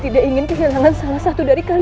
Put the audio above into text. ibu dia ingin kehilangan satu satu dari kalian